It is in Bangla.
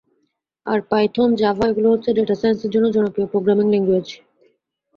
আর, পাইথন, জাভা এগুলো হচ্ছে ডেটা সাইন্সের জন্য জনপ্রিয় প্রোগ্রামিং ল্যাংগুয়েজ।